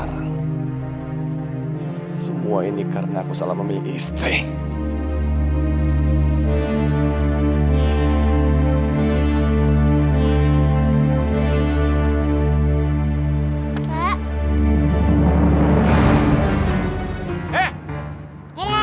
lo mau ngapain ke sini ah